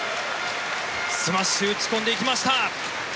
スマッシュ打ち込んでいきました。